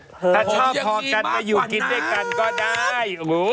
ถ้าชอบพอกันมาอยู่กินด้วยกันก็ได้